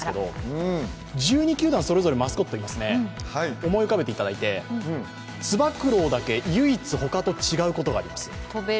１２球団それぞれマスコットいますね、思い浮かべていただいてつば九郎だけ唯一ほかと違うところがあります。